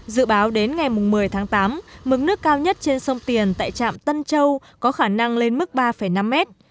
dự báo đến ngày một mươi tháng tám mức nước cao nhất trên sông tiền tại trạm tân châu có khả năng lên mức ba năm mét